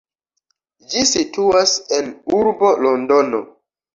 Ĝi situas en urbo Londono.